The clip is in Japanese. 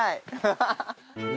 ハハハッ！